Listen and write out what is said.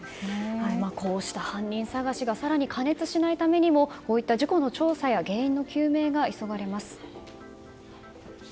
こうした犯人捜しが更に過熱しないためにもこういった事故の調査や原因の究明が急がれます。